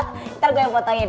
ntar gue yang fotoin